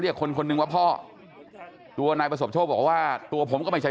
คนคนนึงว่าพ่อตัวนายประสบโชคบอกว่าตัวผมก็ไม่ใช่